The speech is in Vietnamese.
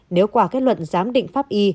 nếu qua kết luận giám định pháp y